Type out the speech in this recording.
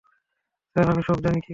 Sir, আমি সব জানি কি হচ্ছে।